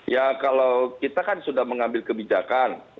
ya kalau kita kan sudah mengambil kebijakan